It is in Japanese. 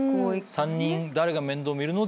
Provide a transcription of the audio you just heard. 「３人誰が面倒見るの？」